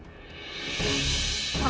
aku udah ngembali ke rumahnya